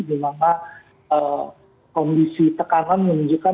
dimana kondisi tekanan menunjukkan